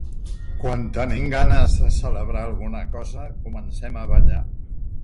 Quan tenim ganes de celebrar alguna cosa, comencem a ballar.